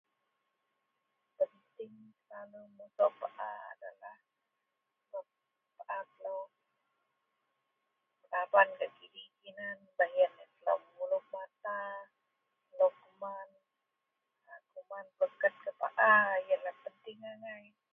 .. [unintelligible] pusuk paa sebab paa melou taban gak gidei-ginan baih ien megulup mata.. [unintelligible] kuman peleket gak paa, ienlah penting angai..